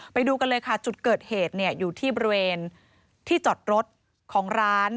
ไปดูกันเลยค่ะจุดเกิดเหตุเนี่ยอยู่ที่บริเวณที่จอดรถของร้าน